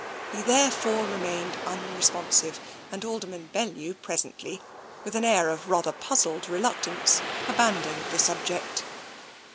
He therefore remained unresponsive, and Al derman Belle w presently, with an air of rather puzzled reluctance, abandoned the subject.